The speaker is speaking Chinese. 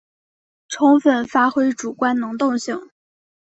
充分发挥主观能动性